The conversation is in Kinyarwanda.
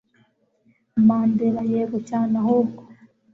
Mandela yego cyane ahubwo